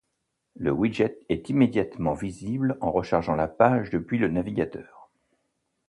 Le widget est immédiatement visible en rechargeant la page depuis le navigateur.